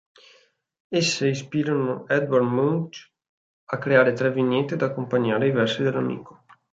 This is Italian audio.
Esse ispirano Edvard Munch a creare tre vignette da accompagnare ai versi dell'amico.